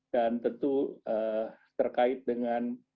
dan tentu terkait dengan